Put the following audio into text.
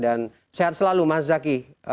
dan sehat selalu mas zaky